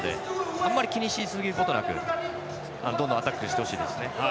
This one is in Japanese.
あんまり気にしすぎることなくどんどんアタックしてほしいです。